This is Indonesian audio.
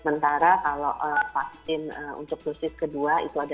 memang jumlah masyarakat yang menerima vaksinasi dosis ketiga itu dua puluh tujuh juta ya